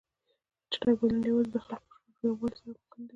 چټک بدلون یوازې د خلکو په بشپړ یووالي سره ممکن دی.